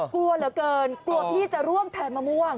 กลัวเหลือเกินกลัวพี่จะร่วงแทนมะม่วง